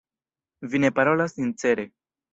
Vi ne parolas sincere.